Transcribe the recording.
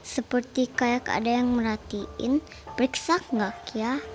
seperti kayak ada yang meratiin beriksa gak ya